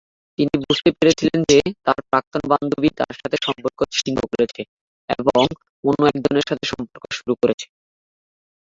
তিনি বুঝতে পেরেছিলেন যে তার প্রাক্তন বান্ধবী তার সাথে সম্পর্ক ছিন্ন করেছে এবং অন্য একজনের সাথে সম্পর্ক শুরু করেছে।